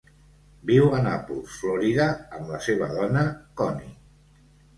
Viu a Nàpols, Florida, amb la seva dona, Connie